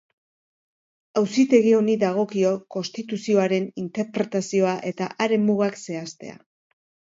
Auzitegi honi dagokio Konstituzioaren interpretazioa eta haren mugak zehaztea.